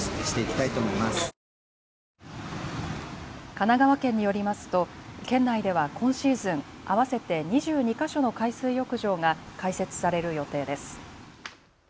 神奈川県によりますと県内では今シーズン合わせて２２か所の海水浴場が開設される予定です。